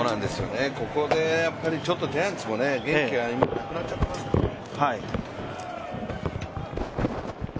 ここでジャイアンツも元気が今なくなっちゃってますからね。